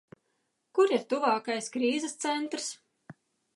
Kur ir tuvākais krīzes centrs?